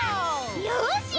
よし！